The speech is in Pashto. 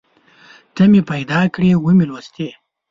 ته مې پیدا کړې ومې لوستې